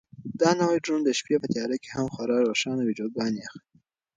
دا نوی ډرون د شپې په تیاره کې هم خورا روښانه ویډیوګانې اخلي.